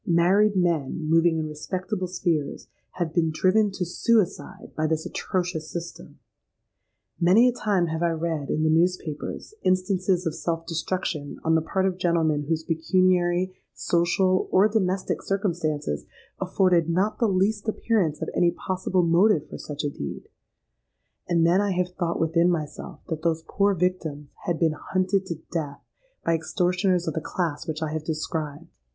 Married men, moving in respectable spheres, have been driven to suicide by this atrocious system! Many a time have I read, in the newspapers, instances of self destruction on the part of gentlemen whose pecuniary, social, or domestic circumstances afforded not the least appearance of any possible motive for such a deed;—and then I have thought within myself that those poor victims had been hunted to death by extortioners of the class which I have described!